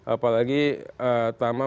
apa lagi tama menyatakan